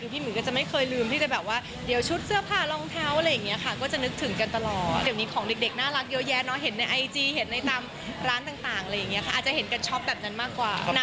เป็นสองปีในสองคน